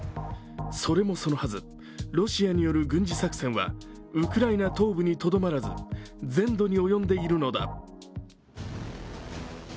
それもそのはず、ロシアによる軍事作戦はウクライナ東部にとどまらず、全土に及んでいるのだ。